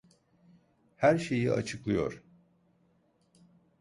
Her şeyi açıklıyor.